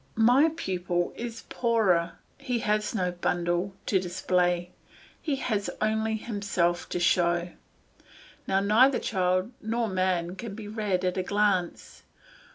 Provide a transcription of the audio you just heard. My pupil is poorer, he has no bundle to display, he has only himself to show. Now neither child nor man can be read at a glance.